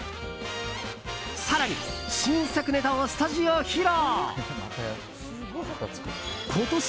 更に、新作ネタをスタジオ披露！